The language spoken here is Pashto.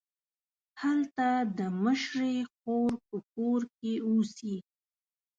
هلته د مشرې خور په کور کې اوسي.